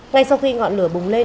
ngay sau khi ngọn lửa bùng lên